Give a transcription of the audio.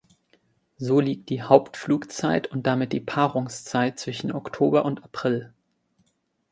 So liegt die Hauptflugzeit und damit die Paarungszeit zwischen Oktober und April.